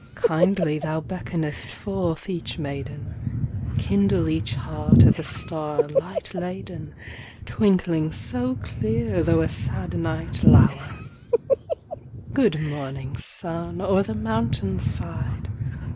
Kindly thou beckonest forth each maiden; Kindle each heart as a star light laden, Twinkling so clear, though a sad night lower! Good morning, sun, o'er the mountain side!